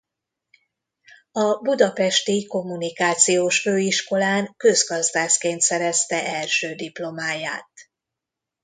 A Budapesti Kommunikációs Főiskolán közgazdászként szerezte első diplomáját.